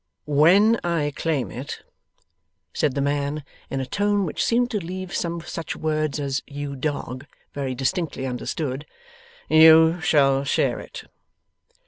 'When I claim it,' said the man, in a tone which seemed to leave some such words as 'you dog,' very distinctly understood, 'you shall share it.